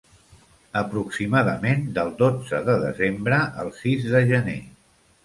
Aproximadament del dotze de desembre al sis de gener.